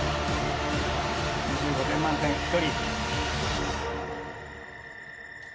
２５点満点１人。